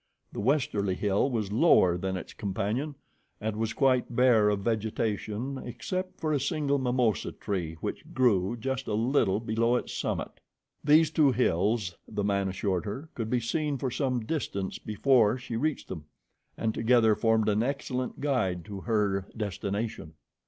The westerly hill was lower than its companion, and was quite bare of vegetation except for a single mimosa tree which grew just a little below its summit. These two hills, the man assured her, could be seen for some distance before she reached them, and together formed an excellent guide to her destination.